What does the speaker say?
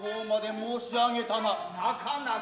申し上げた。